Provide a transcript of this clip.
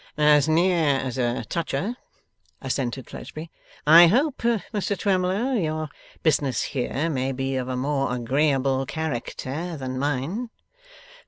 'As near as a toucher,' assented Fledgeby. 'I hope, Mr Twemlow, your business here may be of a more agreeable character than mine.